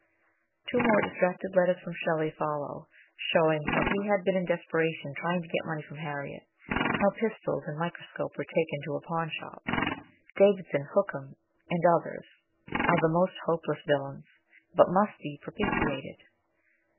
Two more distracted letters from Shelley follow, showing how he had been in desperation trying to get money from Harriet ; how pistols and microscope were taken to a pawnshop ; Davidson, Hookham, and others are the most hopeless villains, but must be propitiated.